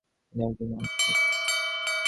তিনি একজন মহান কবিও ছিলেন।